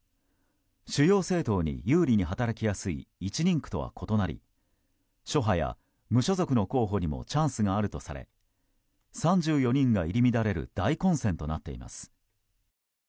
主要政党に有利に働きやすい１人区とは異なり諸派や無所属の候補にもチャンスがあるとされ３４人が入り乱れる大混戦となっています。